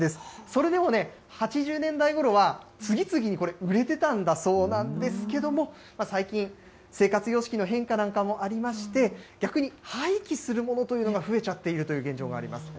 それでも８０年代ごろは、次々にこれ、売れてたんだそうですけれども、最近、生活様式の変化なんかもありまして、逆に廃棄するものというのが増えちゃっているという現状があります。